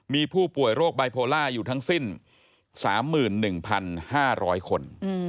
มีผู้ป่วยโรคไบโพล่าอยู่ทั้งสิ้น๓๑๕๐๐คน